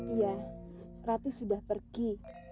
iya ratih sudah pergi